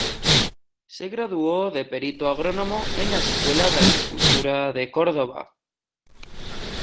Se graduó de perito agrónomo en la Escuela de Agricultura de Córdoba.